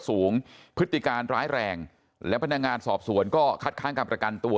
สูงพฤติการร้ายแรงและพนักงานสอบสวนก็คัดค้างการประกันตัว